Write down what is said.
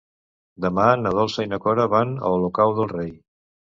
Demà na Dolça i na Cora van a Olocau del Rei.